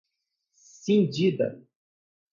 cindida